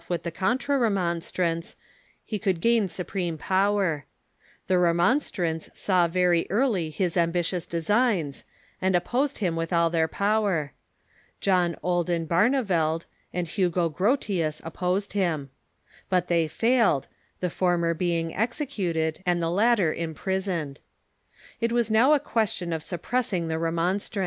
.. with the Contra Remonstrants he could sjain su Rival Parties n n t » i preme power. Ihe Remonstrants saw very early liis ambitious designs, and opposed him with all their power. John Olden Barneveld and Hugo Grotius opposed him. But they failed, the former being executed and the latter impris oned. It was now a question of suppressing the Remonstrants.